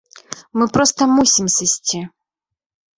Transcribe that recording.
Мы проста мусім сысці.